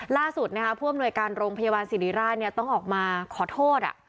ล่าสุดนะคะผู้อำนวยการโรงพยาบาลศิริราชต้องออกมาขอโทษ